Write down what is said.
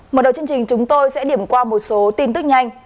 mở đầu chương trình chúng tôi sẽ điểm qua một số tin tức nhanh